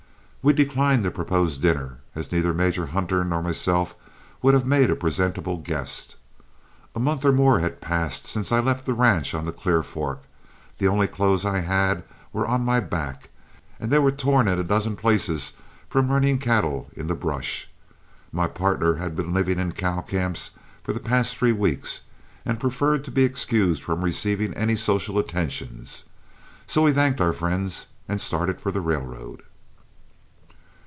We declined the proposed dinner, as neither Major Hunter nor myself would have made a presentable guest. A month or more had passed since I had left the ranch on the Clear Fork, the only clothes I had were on my back, and they were torn in a dozen places from running cattle in the brush. My partner had been living in cow camps for the past three weeks, and preferred to be excused from receiving any social attentions. So we thanked our friends and started for the railroad.